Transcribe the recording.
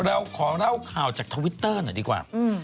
เราขอเล่าข่าวจากทวิตเตอร์หน่อยดีกว่า